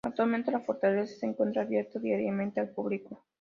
Actualmente, la fortaleza se encuentra abierta diariamente al público.